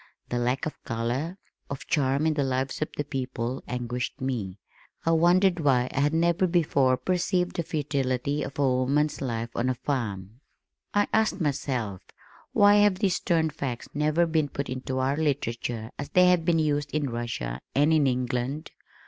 The lack of color, of charm in the lives of the people anguished me. I wondered why I had never before perceived the futility of woman's life on a farm. I asked myself, "Why have these stern facts never been put into our literature as they have been used in Russia and in England?